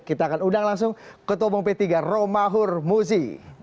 kita akan undang langsung ketobong p tiga romahur muzi